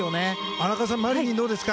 荒川さん、マリニンはどうですか？